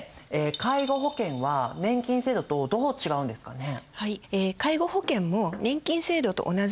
介護保険は年金制度とどう違うんですかね？